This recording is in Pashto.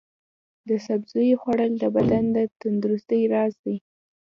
د سبزیو خوړل د بدن د تندرستۍ راز دی.